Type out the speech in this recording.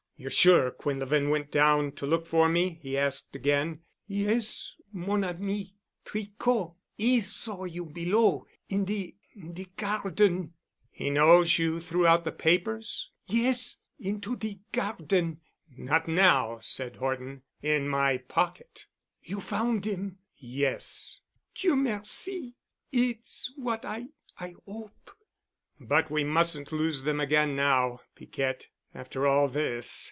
"You're sure Quinlevin went down to look for me?" he asked again. "Yes, m mon ami. Tricot,—'e saw you below—in—de—de garden." "He knows you threw out the papers?" "Yes. Into de garden." "Not now," said Horton. "In my pocket." "You found dem?" "Yes." "Dieu merci! It's what I—I 'ope'." "But we mustn't lose them again now, Piquette, after all this.